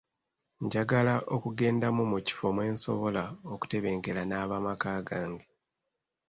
Njagala okugenda mu mu kifo gye nsobola okutebenkera n'abaamaka gange.